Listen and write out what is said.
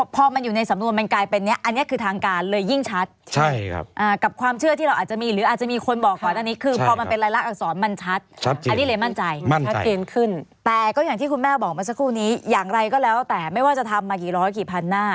พอมันอยู่ในสำนวนมันกลายเป็นเนี้ย